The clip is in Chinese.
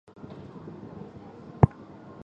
他启动了很多星表课题项目。